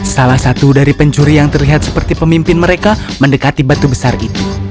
salah satu dari pencuri yang terlihat seperti pemimpin mereka mendekati batu besar itu